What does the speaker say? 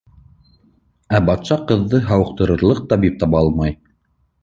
Ә батша ҡыҙҙы һауыҡтырырлыҡ табип таба алмай.